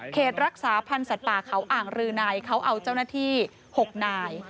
รักษาพันธ์สัตว์ป่าเขาอ่างรือในเขาเอาเจ้าหน้าที่๖นาย